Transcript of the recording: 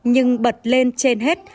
nhưng bật lên trên hết